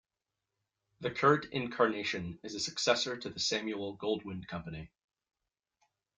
The current incarnation is a successor to The Samuel Goldwyn Company.